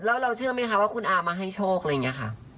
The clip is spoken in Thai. แล้วเราเชื่อไหมคะว่าคุณอามาให้โชคอะไรอย่างนี้ค่ะ